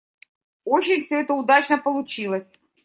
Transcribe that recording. Очень все это удачно получилось.